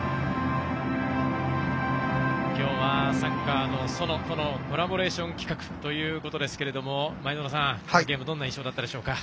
今日は「サッカーの園」とのコラボレーション企画ですが前園さん、ゲームどんな印象だったでしょうか。